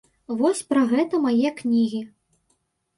Вось пра гэта мае кнігі.